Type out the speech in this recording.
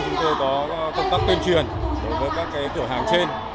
chúng tôi có công tác tuyên truyền đối với các cửa hàng trên